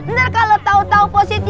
ntar kalau tau tau positif